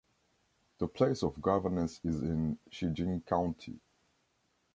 The place of governance is in Shijing County